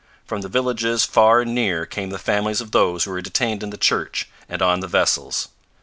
From the villages far and near came the families of those who were detained in the church and on the vessels.